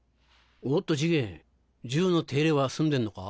おっと次元銃の手入れは済んでんのか？